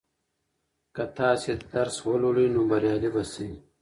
که تاسې درس ولولئ نو بریالي به سئ.